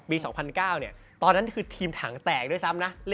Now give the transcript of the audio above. ๒๐๐๙ตอนนั้นคือทีมถังแตกด้วยซ้ำนะ